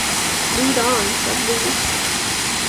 "Lead on," said Lee.